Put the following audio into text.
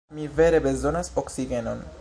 Mi vere bezonas oksigenon.